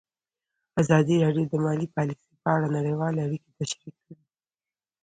ازادي راډیو د مالي پالیسي په اړه نړیوالې اړیکې تشریح کړي.